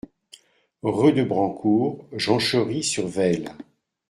Rue de Branscourt, Jonchery-sur-Vesle